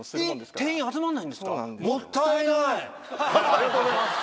ありがとうございます。